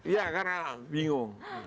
ya karena bingung